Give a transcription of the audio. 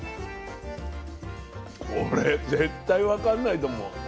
これ絶対分かんないと思う。